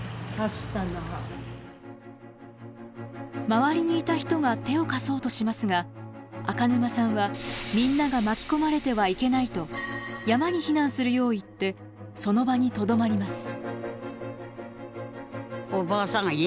周りにいた人が手を貸そうとしますが赤沼さんはみんなが巻き込まれてはいけないと山に避難するよう言ってその場にとどまります。